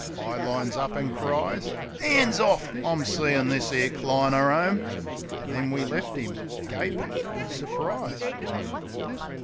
I lines up an' cries, " 'An's orf I I'm seeing' this 'ere cliner 'ome !" An' there we left 'im '^apin' wiv surprise.